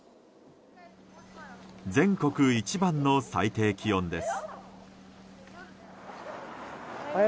全国一番の最低気温です。